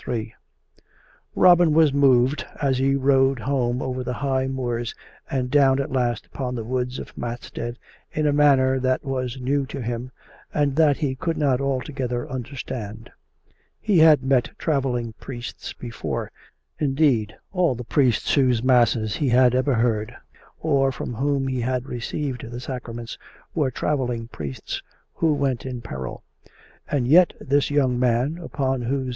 Ill Robin was moved, as he rode home over the high moors, and down at last upon the woods of Matstead, in a manner that was new to him, and that he could not altogether under stand. He had met travelling priests before; indeed, all the priests whose masses he had ever heard, or from whom he had received the sacraments, were travelling priests who went in peril; and yet this young man, upon whose 38 COME RACK! COME ROPE!